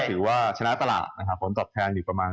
ถือว่าชนะตลาดกดคุณฏอบแทนอยู่ประมาณ๓๐